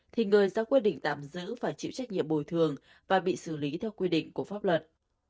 thì người ra quyết định tạm giữ và chịu trách nhiệm bồi thường và bị xử lý theo quy định của pháp luật